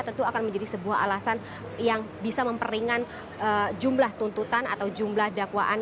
tentu akan menjadi sebuah alasan yang bisa memperingan jumlah tuntutan atau jumlah dakwaan